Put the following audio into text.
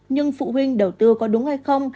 nhưng phụ huynh đầu tư có đúng hay không